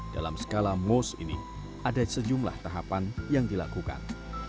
dalam skala most ini ada sejumlah tahapan yang dilakukan